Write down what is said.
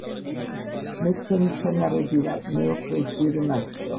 მე თქვენისთანა როდი ვარ, მე ოქროს ძირი მაქვსო.